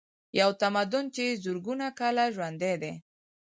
یو تمدن چې زرګونه کاله ژوندی دی.